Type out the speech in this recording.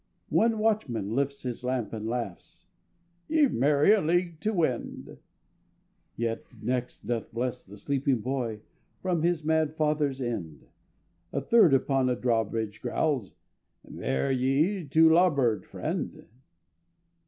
One watchman lifts his lamp and laughs: "Ye've many a league to wend." The next doth bless the sleeping boy From his mad father's end; A third upon a drawbridge growls: "Bear ye to larboard, friend."